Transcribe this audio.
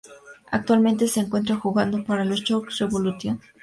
Actualmente se encuentra jugando para los York Revolution.